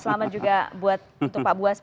selamat juga buat